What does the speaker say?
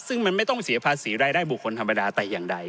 ซึ่งมันไม่ต้องเสียภาษีรายได้บุคคลธรรมดาแต่อย่างใด